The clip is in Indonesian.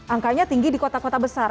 angkanya tinggi di kota kota besar